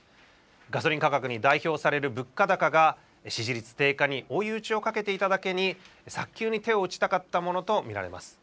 ガソリン価格に代表される物価高が、支持率低下に追い打ちをかけていただけに、早急に手を打ちたかったものと見られます。